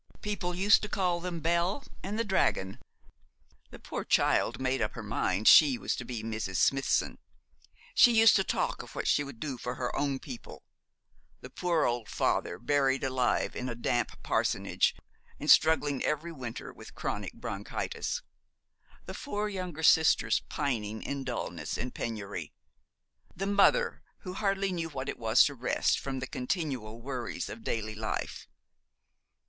People used to call them Bel and the Dragon. The poor child made up her mind she was to be Mrs. Smithson. She used to talk of what she would do for her own people the poor old father, buried alive in a damp parsonage, and struggling every winter with chronic bronchitis; the four younger sisters pining in dulness and penury; the mother who hardly knew what it was to rest from the continual worries of daily life.'